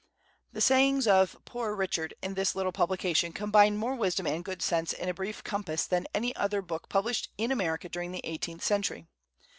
The sayings of "Poor Richard" in this little publication combined more wisdom and good sense in a brief compass than any other book published in America during the eighteenth century.